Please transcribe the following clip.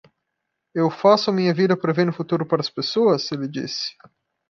"Eu faço a minha vida prevendo o futuro para as pessoas?" ele disse.